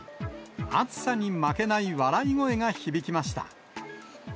暑さに負けない笑い声が響きました。